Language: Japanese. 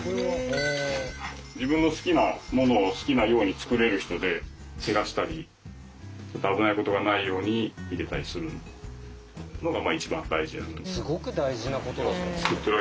自分の好きなものを好きなように作れる人でけがしたり危ないことがないように見てたりするのが一番大事。